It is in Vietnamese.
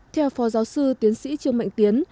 theo phó giáo sư tiến sĩ trương mạnh tiến